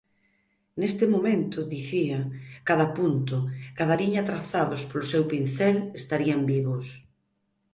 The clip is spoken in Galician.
Neste momento, dicía, cada punto, cada liña trazados polo seu pincel estarían vivos.